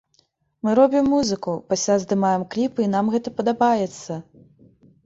Мы робім музыку, пасля здымаем кліпы і нам гэта падабаецца!